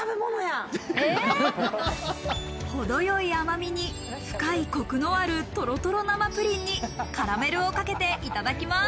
ほどよい甘みに、深いコクのあるトロトロ生ぷりんにカラメルをかけていただきます。